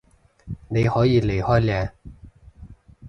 你可以離開嘞